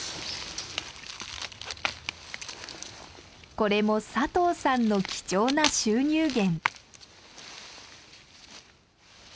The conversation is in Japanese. これも佐藤さんの貴重な収入源。